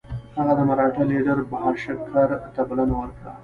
هغه د مرهټه لیډر بهاشکر ته بلنه ورکړه.